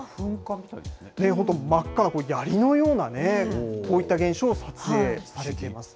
本当、真っ赤なやりのようなね、こういった現象を撮影されています。